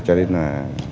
cho nên là